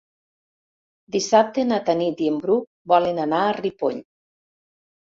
Dissabte na Tanit i en Bru volen anar a Ripoll.